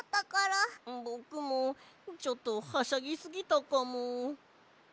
ぼくもちょっとはしゃぎすぎたかも。